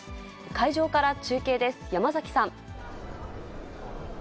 会場から中継です、山崎さん。